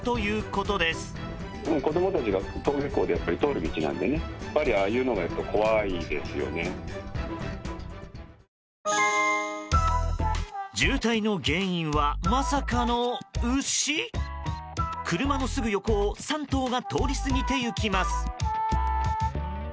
車のすぐ横を３頭が通り過ぎていきます。